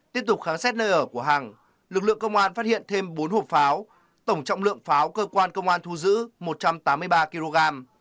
tiếp tục kháng xét nơi ở của hằng lực lượng công an phát hiện thêm bốn hộp pháo tổng trọng lượng pháo cơ quan công an thu giữ một trăm tám mươi ba kg